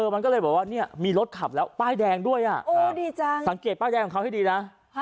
มันก็เลยบอกว่าเนี่ยมีรถขับแล้วป้ายแดงด้วยสังเกตป้ายแดงของเขาให้ดีนะ